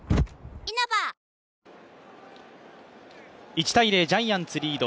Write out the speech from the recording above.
１−０ジャイアンツリード。